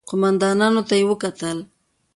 قوماندانانو ته يې وکتل.